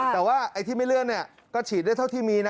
แต่ว่าไอ้ที่ไม่เลื่อนก็ฉีดได้เท่าที่มีนะ